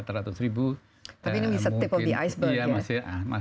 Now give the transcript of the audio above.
tapi ini bisa tipel di iceberg ya